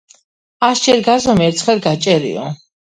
ასჯერ გაზომე ერთხელ გაჭერიო